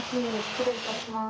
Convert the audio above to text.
失礼いたします。